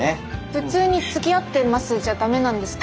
普通につきあってますじゃダメなんですか？